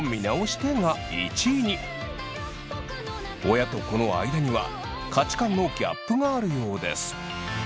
親と子の間には価値観のギャップがあるようです。